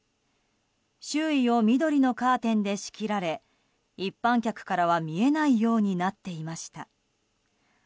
周囲を緑のカーテンで仕切られ一般客からは見えないようになっていました。